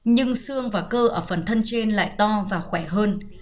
nhưng xương và cơ ở phần thân trên lại to và khỏe hơn